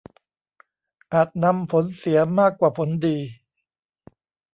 อาจนำผลเสียมากกว่าผลดี